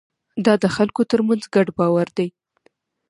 دا د خلکو ترمنځ ګډ باور دی.